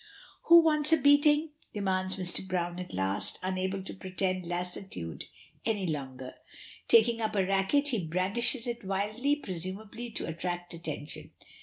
"Who wants a beating?" demands Mr. Browne at last, unable to pretend lassitude any longer. Taking up a racket he brandishes it wildly, presumably to attract attention.